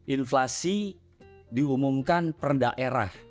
inflasi diumumkan per daerah